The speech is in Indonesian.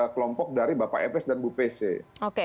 kelompok dari bapak efes dan bu pece